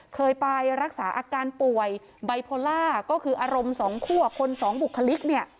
เคยไปรักษาอาการป่วยไบโพลาก็คืออารมณ์๒คั่วคน๒บุคลิก